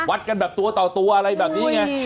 กันแบบตัวต่อตัวอะไรแบบนี้ไง